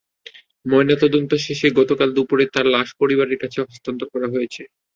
ময়নাতদন্ত শেষে গতকাল দুপুরে তাঁর লাশ পরিবারের কাছে হস্তান্তর করা হয়েছে।